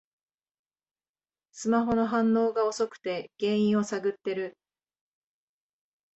スマホの反応が遅くて原因を探ってる